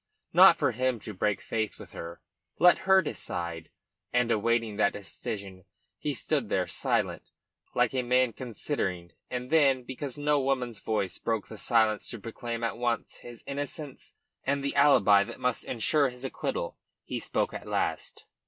Not for him to break faith with her. Let her decide. And, awaiting that decision, he stood there, silent, like a man considering. And then, because no woman's voice broke the silence to proclaim at once his innocence, and the alibi that must ensure his acquittal, he spoke at last.